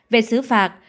về xứ phạt